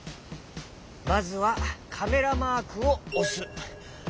まずはカメラマークをおす。